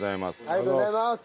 ありがとうございます！